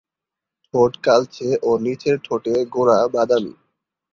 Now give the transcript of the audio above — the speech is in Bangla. ঠোঁট কালচে ও নিচের ঠোঁটের গোড়া বাদামি।